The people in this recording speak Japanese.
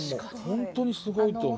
本当にすごいと思う。